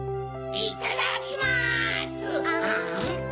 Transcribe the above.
いただきます！